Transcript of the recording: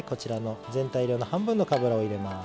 全体量の半分のかぶを入れます。